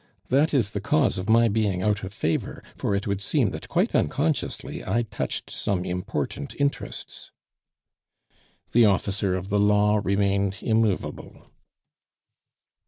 That is the cause of my being out of favor, for it would seem that quite unconsciously I touched some important interests." The officer of the law remained immovable.